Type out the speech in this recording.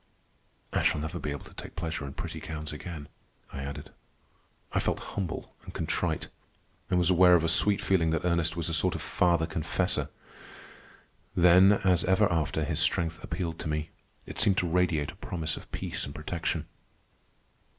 "I shall never be able to take pleasure in pretty gowns again," I added. I felt humble and contrite, and was aware of a sweet feeling that Ernest was a sort of father confessor. Then, as ever after, his strength appealed to me. It seemed to radiate a promise of peace and protection.